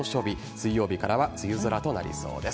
水曜日からは梅雨空となりそうです。